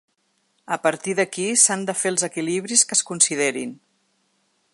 A partir d’aquí, s’han de fer els equilibris que es considerin.